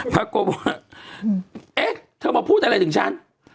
ปรากฏว่าเอ๊ะเธอมาพูดอะไรถึงฉัน